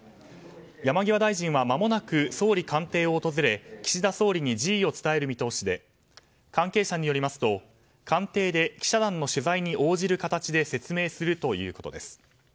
山際大臣はまもなく総理官邸を訪れ岸田総理に辞意を伝える見通しで関係者によりますと官邸で記者団の取材に応じる形で説明するということです。